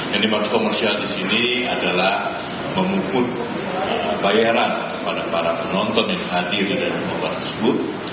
yang dimaksud komersial disini adalah memungut bayaran kepada para penonton yang hadir di nobar tersebut